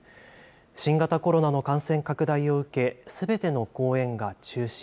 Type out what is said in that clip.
新型コロナの感染拡大を受け、すべての公演が中止。